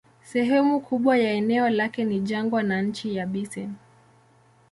Sehemu kubwa ya eneo lake ni jangwa na nchi yabisi.